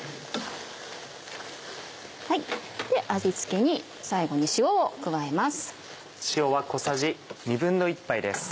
味付けに最後に塩を加えます。